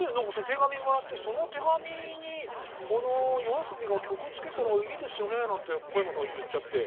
手紙もらってその手紙にＹＯＡＳＯＢＩが曲つけたらいいですよねなんて小山さんが言っちゃって。